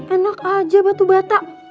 enak aja batu bata